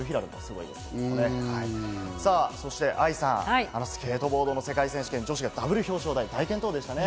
そして愛さん、スケートボード世界選手権女子がダブル表彰台、大健闘でした。